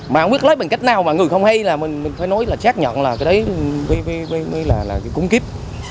mà không biết lấy bằng cách nào mà người không hay là mình phải nói là chắc nhận là cái đấy mới là cúng kiếp